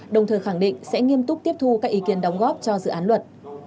đồng thời khẳng định sẽ nghiêm túc tiếp thu các ý kiến đóng góp cho dự án luật